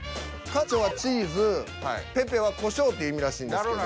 カチョはチーズペペはコショウっていう意味らしいんですけど。